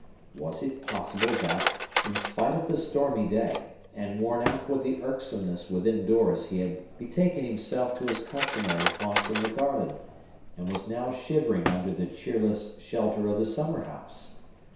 Was it possible that, in spite of the stormy day, and worn out with the irksomeness within doors he had betaken himself to his customary haunt in the garden, and was now shivering under the cheerless shelter of the summer house?